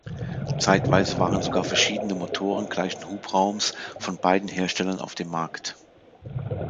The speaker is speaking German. Zeitweise waren sogar verschiedene Motoren gleichen Hubraums von beiden Herstellern auf dem Markt.